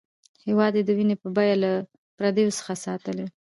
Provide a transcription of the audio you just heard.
هېواد یې د وینې په بیه له پردیو څخه ساتلی.